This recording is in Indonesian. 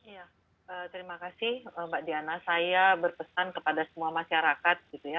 ya terima kasih mbak diana saya berpesan kepada semua masyarakat gitu ya